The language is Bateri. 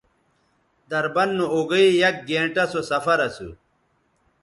دربند نو اوگئ یک گھنٹہ سو سفر اسو